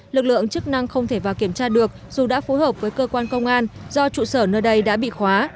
lực lượng chức năng không thể vào kiểm tra được dù đã phối hợp với cơ quan công an do trụ sở nơi đây đã bị khóa